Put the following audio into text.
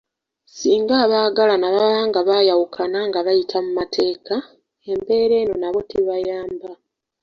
Singa abaagalana baba nga baayawukana nga bayita mu mateeka, embeera eno nabo tebayamba.